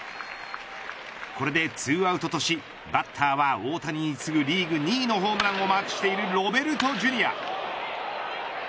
これで２アウトとしバッターは大谷に次ぐリーグ２位のホームランをマークしているロベルト・ジュニア。